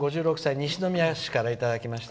西宮市からいただきました。